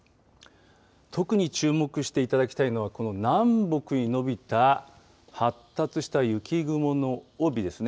特に注目していただきたいのはこの南北にのびた発達した雪雲の帯ですね。